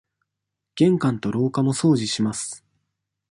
玄関と廊下も掃除します。